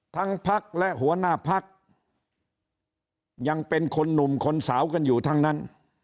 พักและหัวหน้าพักยังเป็นคนหนุ่มคนสาวกันอยู่ทั้งนั้น